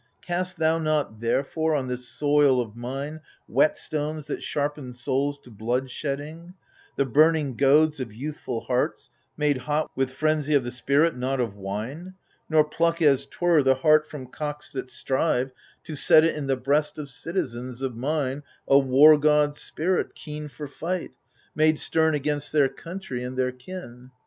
Cast thou not therefore on this soil of mine Whetstones that sharpen souls to bloodshedding. The burning goads of youthful hearts, made hot With frenzy of the spirit, not of wine. Nor pluck as 'twere the heart from cocks that strive, To set it in the breast of citizens Of mine, a war god's spirit, keen for fight, Made stem against their country and their kin.